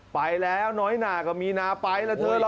ไปแล้วน้อยหนาก็มีหนาไปละเถอะ